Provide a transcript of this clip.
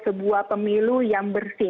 sebuah pemilu yang bersih